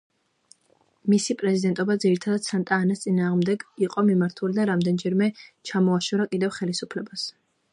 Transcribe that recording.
მისი პრეზიდენტობა ძირითადად სანტა-ანას წინააღმდეგ იყო მიმართული და რამდენიმეჯერ ჩამოაშორა კიდეც ხელისუფლებას.